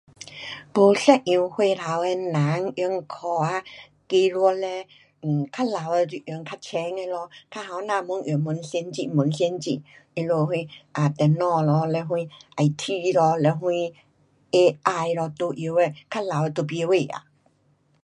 不一样岁数的人用科学技术嘞，um，较老的就用较浅的咯，较年轻越用越先进越先进。他们什，啊，电脑咯，嘞什 IT 咯，嘞什 AI 咯都晓得。较老的都甭晓啊。